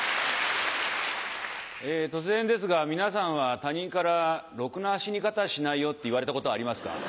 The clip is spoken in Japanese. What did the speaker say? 突然ですが皆さんは他人から「ろくな死に方しないよ」って言われたことはありますか？